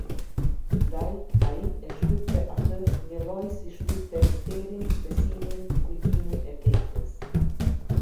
Ndaj ai e shtypte atë njëlloj si shtypte misterin, besimin, kujtimin e vdekjes.